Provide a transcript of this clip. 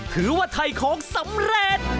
ถือว่าถ่ายของสำเร็จ